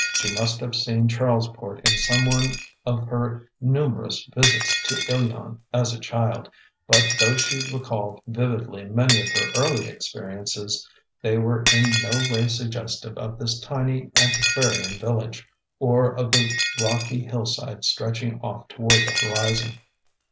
She must have seen Charlesport in some one of her numerous visits to Ilion as a child; but though she recalled vividly many of her early experiences, they were in no way suggestive of this tiny antiquarian village, or of the rocky hillside stretching off toward the horizon.